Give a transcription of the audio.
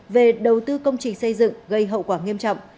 về đầu tư công trình xây dựng gây hậu quả nghiêm trọng